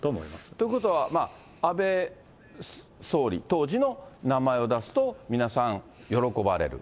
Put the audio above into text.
ということは、安倍総理、当時の名前を出すと皆さん、喜ばれる。